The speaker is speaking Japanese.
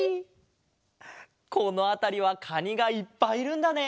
このあたりはかにがいっぱいいるんだね。